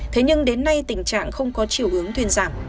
thế nhưng đến nay tình trạng không có chiều hướng thuyên giảm